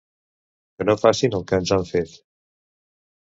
Que no facin el que ens han fet.